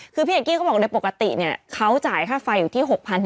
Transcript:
คือพี่เอกกี้ก็บอกว่าในปกติเนี่ยเขาจ่ายค่าไฟอยู่ที่๖๐๐๐๘๐๐๐บาท